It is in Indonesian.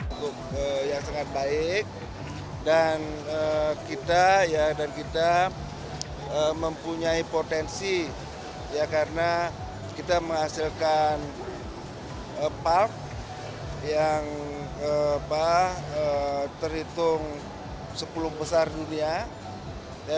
untuk yang sangat baik dan kita mempunyai potensi karena kita menghasilkan pump yang terhitung sepuluh besar dunia